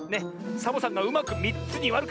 サボさんがうまく３つにわるから！